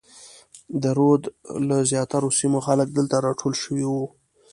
د رود له زیاترو سیمو خلک دلته راټول شوي وو.